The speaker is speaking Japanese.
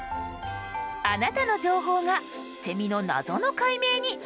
あなたの情報がセミの謎の解明につながるかも！